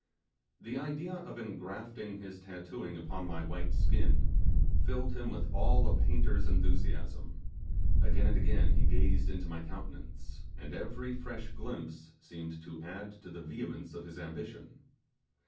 The idea of engrafting his tattooing upon my white skin filled him with all a painter's enthusiasm; again and again he gazed into my countenance, and every fresh glimpse seemed to add to the vehemence of his ambition.